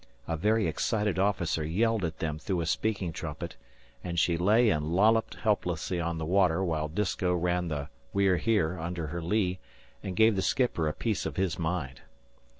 A very excited officer yelled at them through a speaking trumpet, and she lay and lollopped helplessly on the water while Disko ran the We're Here under her lee and gave the skipper a piece of his mind.